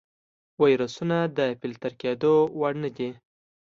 ویروسونه د فلتر کېدو وړ نه دي.